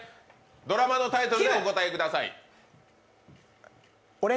ドラマのタイトルでお答えください。